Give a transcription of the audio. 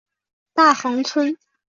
大衡村。